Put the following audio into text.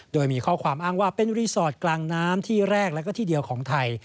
โดยมีข้อความอ้างว่าเป็นรีสอร์ทกลางน้ำที่แรกแล้วก็ที่เดียวของไทย